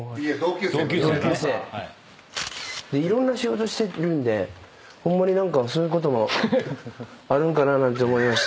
いろんな仕事してるんでホンマにそういうこともあるんかななんて思いまして。